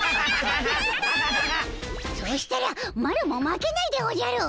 そしたらマロも負けないでおじゃる！